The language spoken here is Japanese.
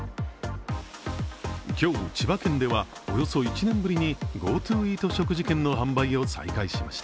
今日千葉県では、およそ１年ぶりにＧｏＴｏイート食事券の販売を再開しました。